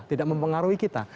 tidak mempengaruhi kita